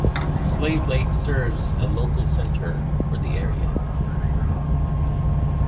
Slave Lake serves a local centre for the area.